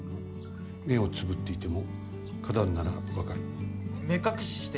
目をつむっていても花壇なら分かる。